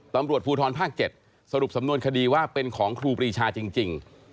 ตำรวจภูทรภาค๗สรุปสำนวนคดีว่าเป็นของครูปรีชาจริง